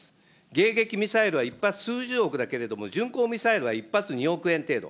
迎撃ミサイルは１発数十億だけれども、巡航ミサイルは１発２億円程度。